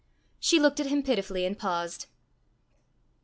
She looked at him pitifully, and paused.